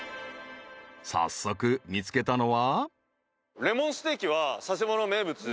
［早速見つけたのは］